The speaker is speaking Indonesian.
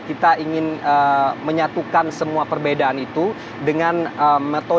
ini nya dan menjadi potato